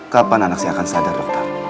kapan anak saya akan sadar dokter